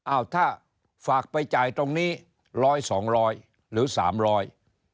อ้าวถ้าฝากไปจ่ายตรงนี้ร้อยสองร้อยหรือสามร้อย